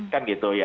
kan gitu ya